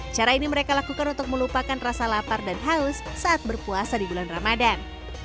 cara ini mereka lakukan untuk melupakan rasa lapar dan haus saat berpuasa di bulan ramadan